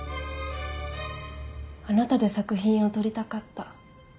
あなたで作品を撮りたかった。